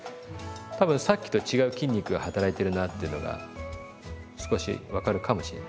多分さっきと違う筋肉が働いてるなっていうのが少し分かるかもしれない。